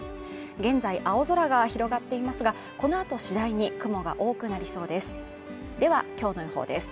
現在青空が広がっていますがこのあと次第に雲が多くなりそうです